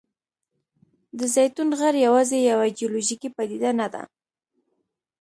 د زیتون غر یوازې یوه جیولوجیکي پدیده نه ده.